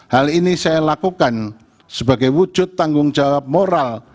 hal ini saya lakukan sebagai wujud tanggung jawab moral